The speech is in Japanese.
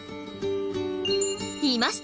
いました！